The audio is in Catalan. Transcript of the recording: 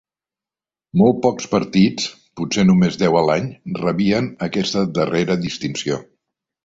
Molt pocs partits, potser només deu a l'any, rebien aquesta darrera distinció.